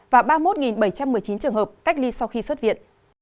và ba mươi một bảy trăm một mươi chín trường hợp cách ly sau khi xuất viện